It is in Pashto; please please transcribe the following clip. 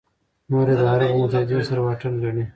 نور یې د عربو متحدینو سره واټن ګڼي.